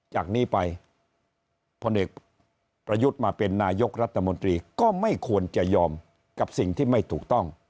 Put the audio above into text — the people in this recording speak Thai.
จากนี้ไปพลเอกประยุทธ์มาเป็นนายกรัฐมนตรีก็ไม่ควรจะยอมกับสิ่งที่ไม่ถูกต้อง